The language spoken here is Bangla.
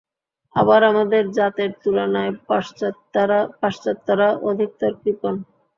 আবার আমাদের জাতের তুলনায় পাশ্চাত্যেরা অধিকতর কৃপণ।